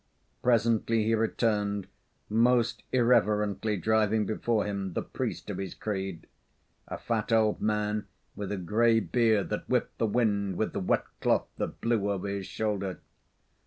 Presently he returned, most irreverently driving before him the priest of his creed a fat old man, with a grey beard that whipped the wind with the wet cloth that blew over his shoulder.